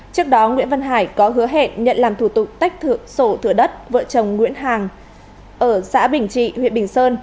trước đó nguyễn văn hải có hứa hẹn nhận làm thủ tục tách sổ thửa đất vợ chồng nguyễn hàng ở xã bình trị huyện bình sơn